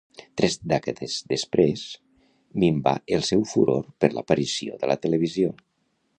Tres dècades després, minva el seu furor per l'aparició de la televisió.